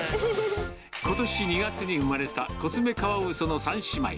ことし２月に産まれたコツメカワウソの３姉妹。